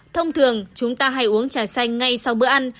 thông thường chúng ta hay uống trà xanh ngay sau bữa ăn